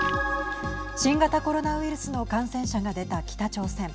新型コロナウイルスの感染者が出た北朝鮮。